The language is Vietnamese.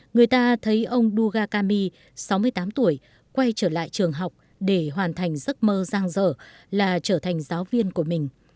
người ta thấy ông duga kami sáu mươi tám tuổi quay trở lại trường học để hoàn thành giấc mơ giang dở là trở thành giáo viên của mình